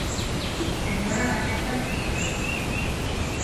Se ignora la fecha de su muerto.